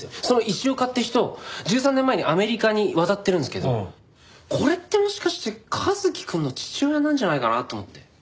その石岡って人１３年前にアメリカに渡ってるんですけどこれってもしかして一輝くんの父親なんじゃないかなと思って。